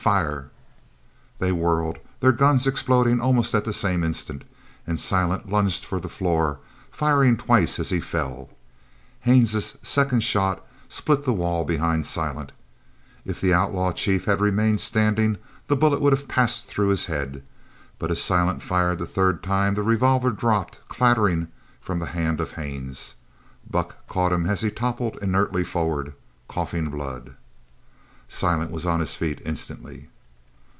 Fire!" They whirled, their guns exploding at almost the same instant, and Silent lunged for the floor, firing twice as he fell. Haines's second shot split the wall behind Silent. If the outlaw chief had remained standing the bullet would have passed through his head. But as Silent fired the third time the revolver dropped clattering from the hand of Haines. Buck caught him as he toppled inertly forward, coughing blood. Silent was on his feet instantly.